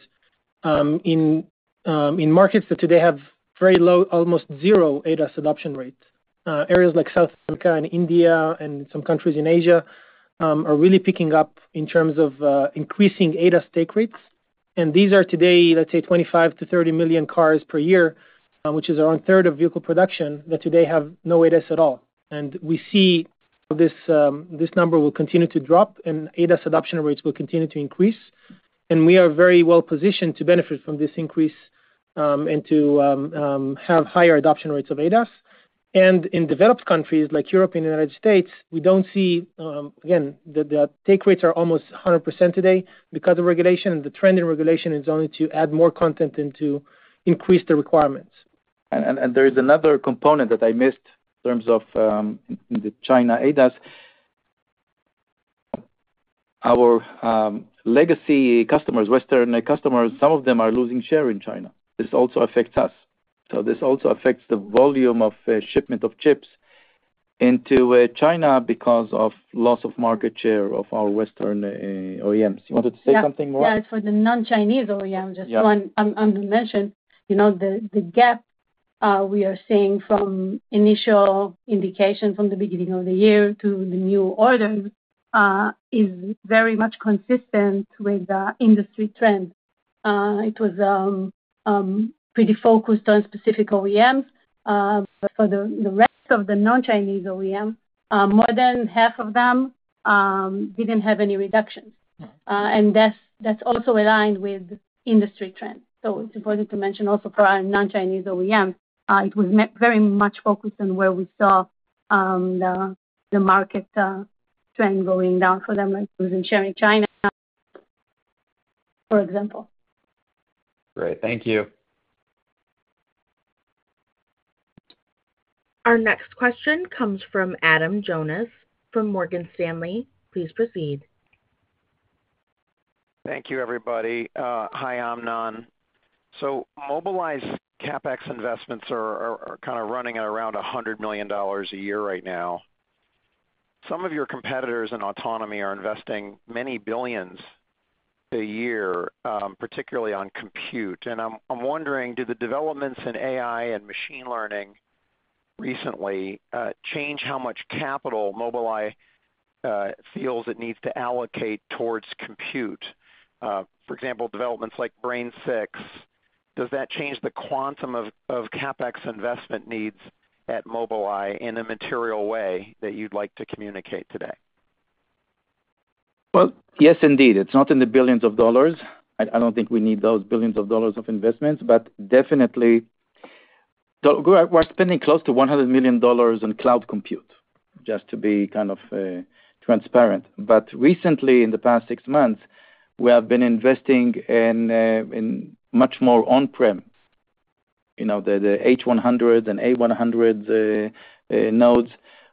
in markets that today have very low, almost zero ADAS adoption rates. Areas like South Africa and India and some countries in Asia are really picking up in terms of increasing ADAS take rates. And these are today, let's say, 25-30 million cars per year, which is around a third of vehicle production, that today have no ADAS at all. We see this number will continue to drop, and ADAS adoption rates will continue to increase, and we are very well positioned to benefit from this increase, and to have higher adoption rates of ADAS. In developed countries like Europe and United States, we don't see. Again, the take rates are almost 100% today because the regulation, the trend in regulation, is only to add more content and to increase the requirements. There is another component that I missed in terms of the China ADAS. Our legacy customers, Western customers, some of them are losing share in China. This also affects us. So this also affects the volume of shipment of chips into China because of loss of market share of our Western OEMs. You wanted to say something, Mor? Yeah, for the non-Chinese OEM, just one- Yeah. You know, the gap we are seeing from initial indication from the beginning of the year to the new orders is very much consistent with the industry trend. It was pretty focused on specific OEMs, but for the rest of the non-Chinese OEM, more than half of them didn't have any reductions. Mm-hmm. That's also aligned with industry trends. So it's important to mention also for our non-Chinese OEM, it was very much focused on where we saw the market trend going down for them, like losing share in China, for example. Great. Thank you. Our next question comes from Adam Jonas, from Morgan Stanley. Please proceed. Thank you, everybody. Hi, Amnon. So Mobileye's CapEx investments are kind of running at around $100 million a year right now. Some of your competitors in autonomy are investing many billions of dollars a year, particularly on compute, and I'm wondering, do the developments in AI and machine learning recently change how much capital Mobileye feels it needs to allocate towards compute? For example, developments like Brain6, does that change the quantum of CapEx investment needs at Mobileye in a material way that you'd like to communicate today? Well, yes, indeed. It's not in the billions of dollars. I don't think we need those billions of dollars of investments, but definitely, we're spending close to $100 million on cloud compute, just to be kind of transparent. But recently, in the past 6 months, we have been investing in much more on-prem, you know, the H100 and A100 nodes.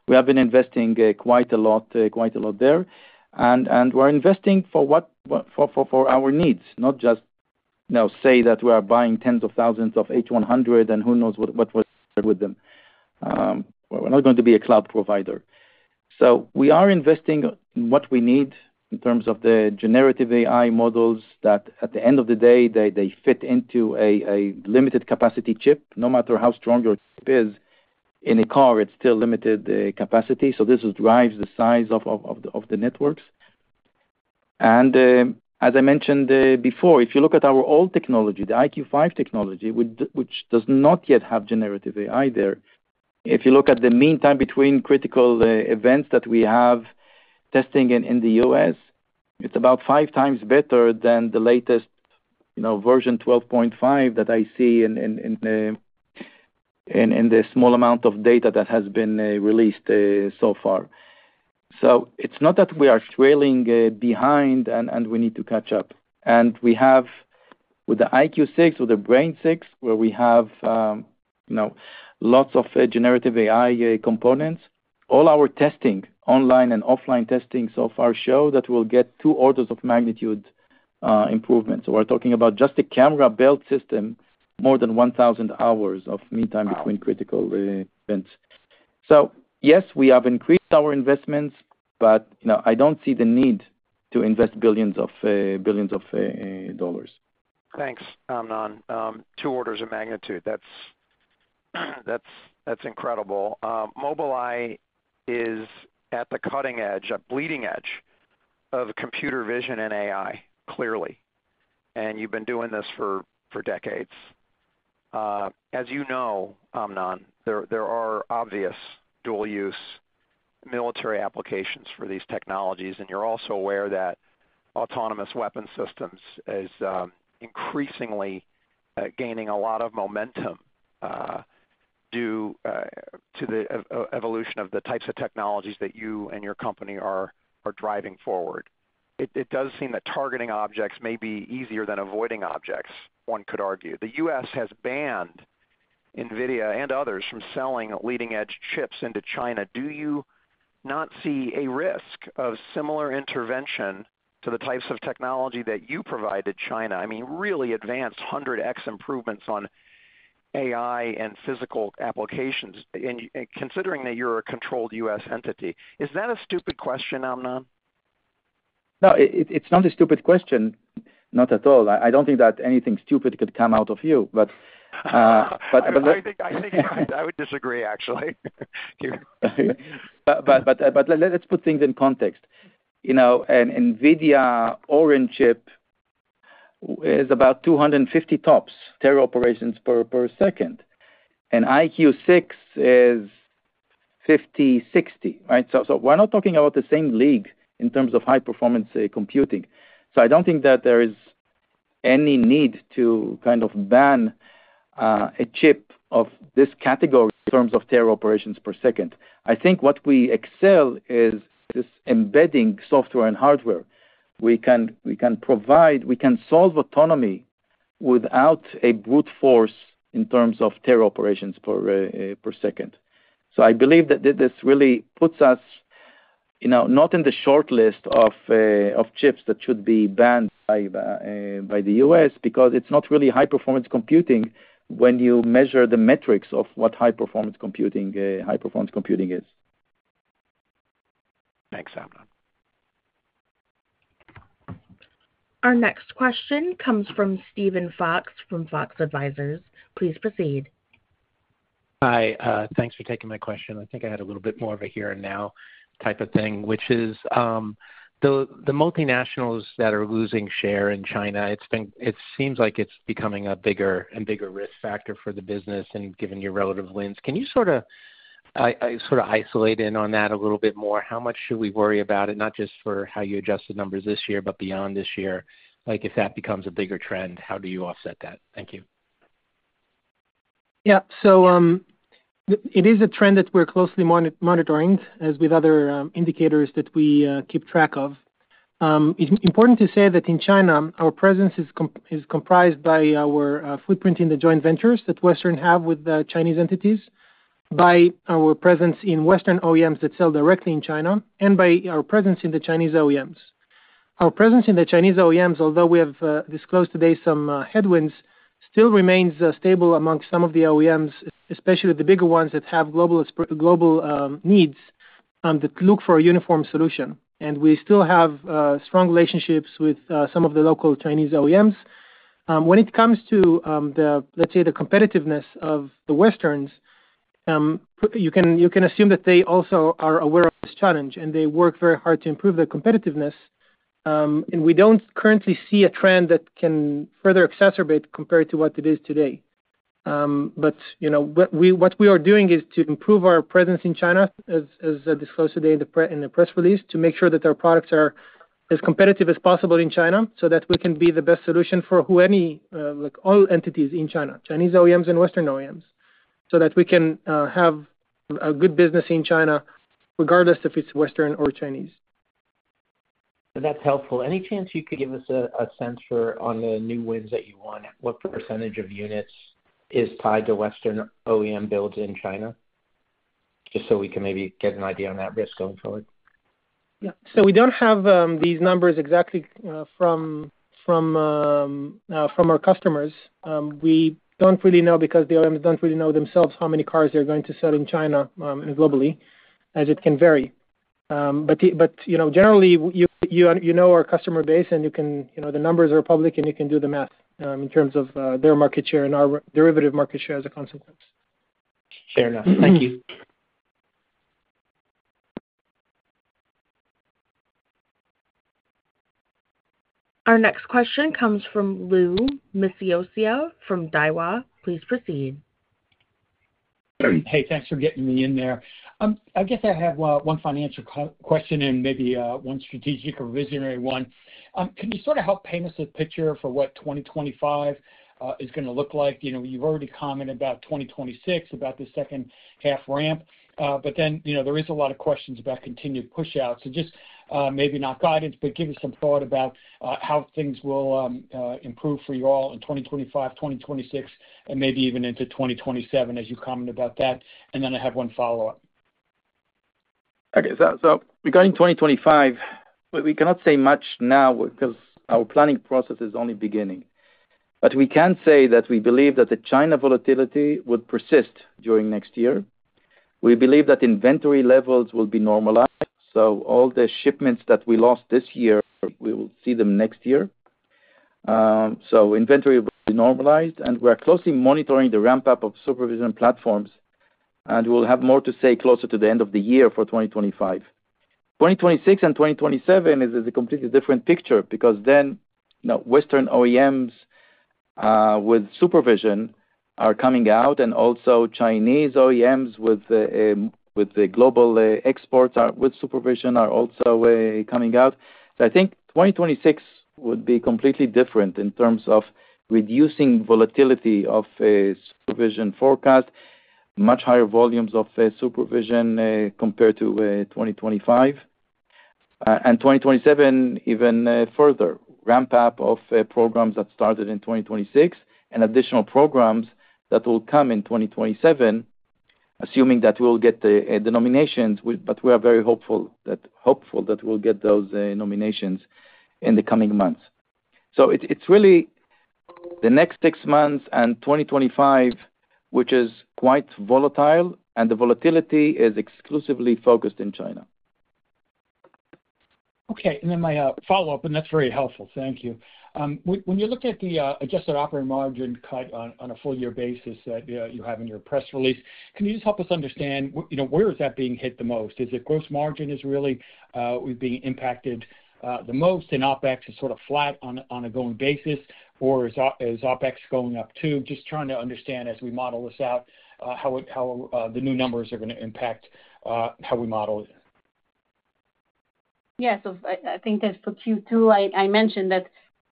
We have been investing quite a lot, quite a lot there. And we're investing for our needs, not just, you know, say that we are buying tens of thousands of H100 and who knows what's with them. We're not going to be a cloud provider. So we are investing in what we need in terms of the generative AI models, that at the end of the day, they fit into a limited capacity chip. No matter how strong your chip is in a car, it's still limited capacity. So this drives the size of the networks. And as I mentioned before, if you look at our old technology, the EyeQ5 technology, which does not yet have generative AI there. If you look at the mean time between critical events that we have testing in the U.S., it's about five times better than the latest, you know, version 12.5 that I see in the small amount of data that has been released so far. So it's not that we are trailing behind and we need to catch up. And we have with the EyeQ6, with the Brain6, where we have, you know, lots of generative AI components. All our testing, online and offline testing so far show that we'll get two orders of magnitude improvement. So we're talking about just a camera build system, more than 1,000 hours of meantime between critical events. So yes, we have increased our investments, but, you know, I don't see the need to invest billions of dollars. Thanks, Amnon. Two orders of magnitude, that's incredible. Mobileye is at the cutting edge, a bleeding edge of computer vision and AI, clearly. And you've been doing this for decades. As you know, Amnon, there are obvious dual-use military applications for these technologies, and you're also aware that autonomous weapon systems is increasingly gaining a lot of momentum due to the evolution of the types of technologies that you and your company are driving forward. It does seem that targeting objects may be easier than avoiding objects, one could argue. The U.S. has banned NVIDIA and others from selling leading-edge chips into China. Do you not see a risk of similar intervention to the types of technology that you provide to China? I mean, really advanced 100x improvements on AI and physical applications, and, and considering that you're a controlled U.S. entity, is that a stupid question, Amnon? No, it’s not a stupid question. Not at all. I don’t think that anything stupid could come out of you, but. I think I would disagree, actually. But let's put things in context. You know, an NVIDIA Orin chip is about 250 TOPS, tera operations per second, and EyeQ6 is 50, 60, right? So we're not talking about the same league in terms of high-performance computing. So I don't think that there is any need to kind of ban a chip of this category in terms of tera operations per second. I think what we excel in is this embedded software and hardware. We can provide. We can solve autonomy without a brute force in terms of tera operations per second. So I believe that this really puts us, you know, not in the shortlist of chips that should be banned by the U.S., because it's not really high-performance computing when you measure the metrics of what high-performance computing, high-performance computing is. Thanks, Amnon. Our next question comes from Steven Fox, from Fox Advisors. Please proceed. Hi, thanks for taking my question. I think I had a little bit more of a here-and-now type of thing, which is, the multinationals that are losing share in China, it's been it seems like it's becoming a bigger and bigger risk factor for the business and given your relative wins. Can you sorta sorta isolate in on that a little bit more? How much should we worry about it, not just for how you adjust the numbers this year, but beyond this year? Like, if that becomes a bigger trend, how do you offset that? Thank you. Yeah. So, it is a trend that we're closely monitoring, as with other indicators that we keep track of. It's important to say that in China, our presence is comprised by our footprint in the joint ventures that Western have with the Chinese entities, by our presence in Western OEMs that sell directly in China, and by our presence in the Chinese OEMs. Our presence in the Chinese OEMs, although we have disclosed today some headwinds, still remains stable amongst some of the OEMs, especially the bigger ones that have global needs that look for a uniform solution. We still have strong relationships with some of the local Chinese OEMs. When it comes to, let's say, the competitiveness of the Western OEMs, you can, you can assume that they also are aware of this challenge, and they work very hard to improve their competitiveness. We don't currently see a trend that can further exacerbate compared to what it is today. But, you know, what we are doing is to improve our presence in China, as disclosed today in the press release, to make sure that our products are as competitive as possible in China, so that we can be the best solution for any, like, all entities in China, Chinese OEMs and Western OEMs, so that we can have a good business in China, regardless if it's Western or Chinese. That's helpful. Any chance you could give us a sense for on the new wins that you won? What percentage of units is tied to Western OEM builds in China? Just so we can maybe get an idea on that risk going forward. Yeah. So we don't have these numbers exactly from our customers. We don't really know because the OEMs don't really know themselves how many cars they're going to sell in China and globally, as it can vary. But, you know, generally, you know our customer base, and you can, you know, the numbers are public, and you can do the math in terms of their market share and our derivative market share as a consequence. Fair enough. Thank you. Our next question comes from Louis Miscioscia from Daiwa. Please proceed. Hey, thanks for getting me in there. I guess I have one financial question and maybe one strategic or visionary one. Can you sort of help paint us a picture for what 2025 is gonna look like? You know, you've already commented about 2026, about the second half ramp. But then, you know, there is a lot of questions about continued push-out. So just maybe not guidance, but give us some thought about how things will improve for you all in 2025, 2026, and maybe even into 2027, as you comment about that. And then I have one follow-up. Okay. So regarding 2025, we cannot say much now because our planning process is only beginning. But we can say that we believe that the China volatility would persist during next year. We believe that inventory levels will be normalized, so all the shipments that we lost this year, we will see them next year. So inventory will be normalized, and we are closely monitoring the ramp-up of SuperVision platforms, and we'll have more to say closer to the end of the year for 2025. 2026 and 2027 is a completely different picture because then, you know, Western OEMs with SuperVision are coming out, and also Chinese OEMs with the global exports with SuperVision are also coming out. So I think 2026 would be completely different in terms of reducing volatility of a SuperVision forecast, much higher volumes of SuperVision, compared to 2025. And 2027, even further ramp up of programs that started in 2026 and additional programs that will come in 2027, assuming that we'll get the nominations. But we are very hopeful that we'll get those nominations in the coming months. So it's really the next six months and 2025, which is quite volatile, and the volatility is exclusively focused in China. Okay, and then my follow-up, and that's very helpful. Thank you. When you look at the adjusted operating margin cut on a full year basis that you have in your press release, can you just help us understand, you know, where is that being hit the most? Is it gross margin is really being impacted the most and OpEx is sort of flat on a going basis, or is OpEx going up too? Just trying to understand, as we model this out, how the new numbers are gonna impact how we model it. Yeah, so I think as for Q2, I mentioned that,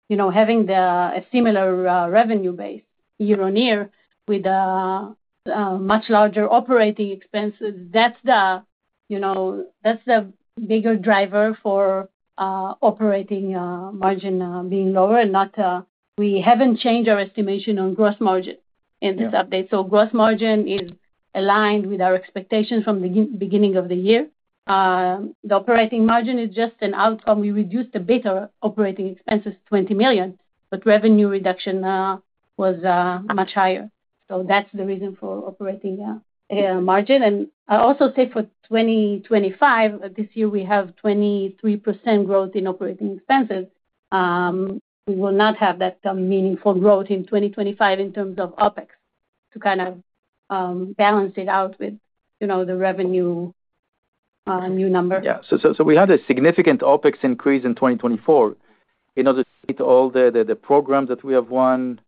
you know, having a similar revenue base year-on-year with much larger operating expenses, that's the, you know, that's the bigger driver for operating margin being lower and not. We haven't changed our estimation on gross margin. Yeah In this update. So gross margin is aligned with our expectations from the beginning of the year. The operating margin is just an outcome. We reduced a bit our operating expenses, $20 million, but revenue reduction was much higher. So that's the reason for operating margin. And I'll also say for 2025, this year we have 23% growth in operating expenses. We will not have that meaningful growth in 2025 in terms of OpEx, to kind of balance it out with, you know, the revenue new number. Yeah. So we had a significant OpEx increase in 2024 in order to meet all the programs that we have won,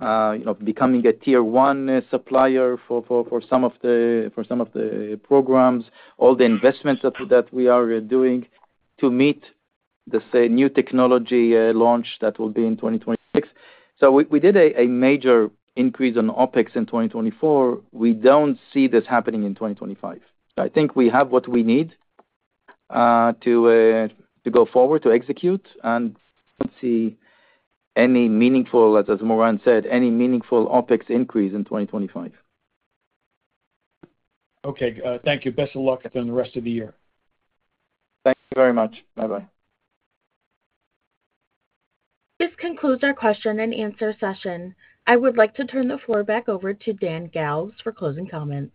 you know, becoming a Tier one supplier for some of the programs, all the investments that we are doing to meet the new technology launch that will be in 2026. So we did a major increase on OpEx in 2024. We don't see this happening in 2025. I think we have what we need to go forward, to execute, and don't see any meaningful, as Moran said, any meaningful OpEx increase in 2025. Okay, thank you. Best of luck on the rest of the year. Thank you very much. Bye-bye. This concludes our question and answer session. I would like to turn the floor back over to Dan Galves for closing comments.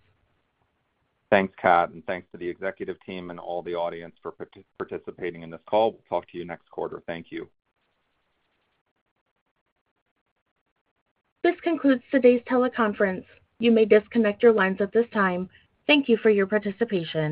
Thanks, Kat, and thanks to the executive team and all the audience for participating in this call. We'll talk to you next quarter. Thank you. This concludes today's teleconference. You may disconnect your lines at this time. Thank you for your participation.